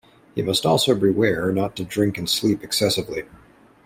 He must also beware not to drink and sleep excessively.